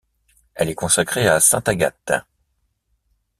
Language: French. Elle est consacrée à sainte Agathe.